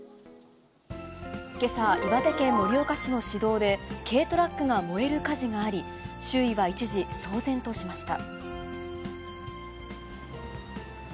けさ、岩手県盛岡市の市道で、軽トラックが燃える火事があり、周囲は一時、騒然としました。